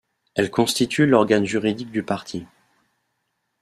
Elle constitue l'organe juridique du parti.